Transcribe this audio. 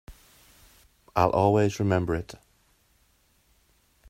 I'll always remember it.